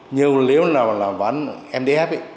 nhưng nếu nào là bán mdf